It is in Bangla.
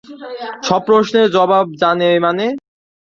সব প্রশ্নের জবাব জানে মানে?